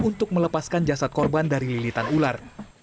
untuk melepaskan jasad korban dari lilitan ular